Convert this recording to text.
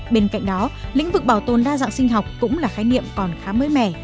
bên cạnh đó lĩnh vực bảo tồn đa dạng sinh học cũng là khái niệm còn khá mới mẻ